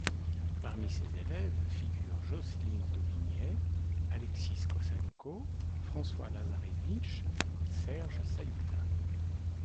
Parmi ses élèves figurent Jocelyn Daubigney, Alexis Kossenko, François Lazarevitch, Serge Saïtta.